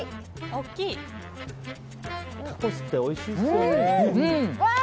タコスっておいしいですよね。